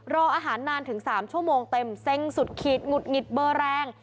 รออาหารนานถึง๓ชั่วโมงเต็มเซ็งสุดขีดหงุดหงิดเบอร์แรง